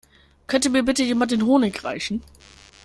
Könnte mir bitte jemand den Honig reichen?